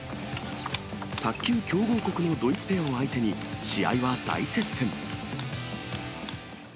卓球強豪国のドイツペアを相手に、試合は大接戦。